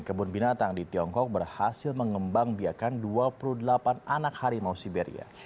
kebun binatang di tiongkok berhasil mengembang biakan dua puluh delapan anak harimau siberia